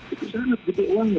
itu sangat gede uangnya